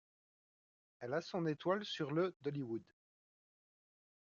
Elle a son étoile sur le d’Hollywood.